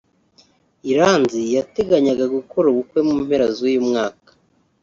Iranzi yateganyaga gukora ubukwe mu mpera z’uyu mwaka